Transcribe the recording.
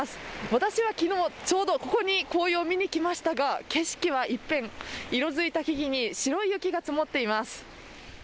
私はきのうここに紅葉を見に来ましたが景色は一変、色づいた木々に白い雪が積もっています。